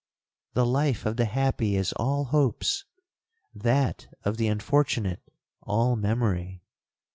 The life of the happy is all hopes,—that of the unfortunate all memory.